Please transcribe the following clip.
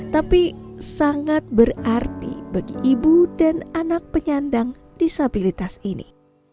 tapi sangat berarti bagi ibu dan anak penyandang disabilitas ini